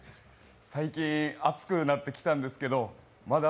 最近暑くなってきたんですけどまだ